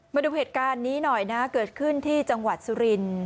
มาดูเหตุการณ์นี้หน่อยนะเกิดขึ้นที่จังหวัดสุรินทร์